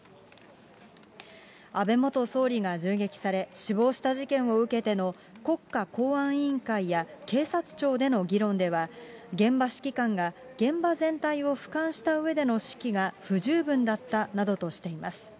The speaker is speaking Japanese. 安倍元総理が銃撃され死亡した事件を受けての国家公安委員会や警察庁での議論では、現場指揮官が現場全体をふかんしたうえでの指揮が不十分だったなどとしています。